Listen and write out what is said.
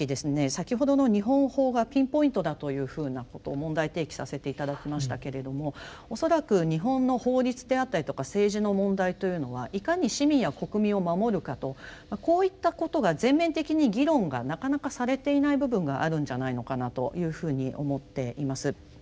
先ほどの日本法がピンポイントだというふうなことを問題提起させて頂きましたけれども恐らく日本の法律であったりとか政治の問題というのはいかに市民や国民を守るかとこういったことが全面的に議論がなかなかされていない部分があるんじゃないのかなというふうに思っています。